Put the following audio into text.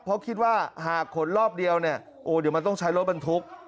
เพราะคิดว่าหากขนรอบเดียวเนี่ยโอ้เดี๋ยวมันต้องใช้รถบรรทุก